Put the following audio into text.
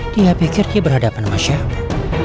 dia pikir dia berhadapan sama siapa